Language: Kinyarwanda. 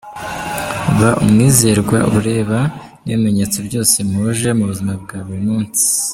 Ba umwizerwa, ureba n’ibimenyetso byose muhuje mu buzima bwa buri munsi.